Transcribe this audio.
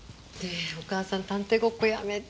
お母さん探偵ごっこやめて。